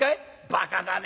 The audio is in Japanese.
バカだね。